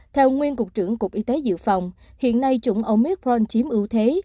theo nguyên cục trưởng cục y tế dự phòng hiện nay chủng omicron chiếm ưu thế